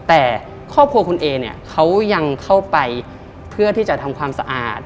แต่ครอบครัวคุณเอเนี่ยเขายังเข้าไปเพื่อที่จะทำความสะอาด